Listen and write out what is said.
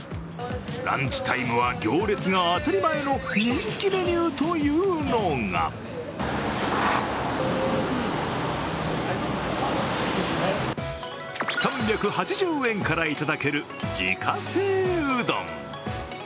ランチタイムは行列が当たり前の人気メニューというのが３８０円からいただける自家製うどん。